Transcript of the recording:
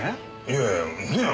いやいやねえ？